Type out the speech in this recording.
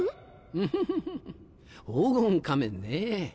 フフフ黄金仮面ねぇ。